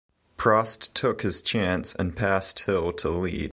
Prost took his chance and passed Hill to lead.